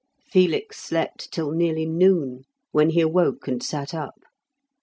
Felix slept till nearly noon, when he awoke and sat up.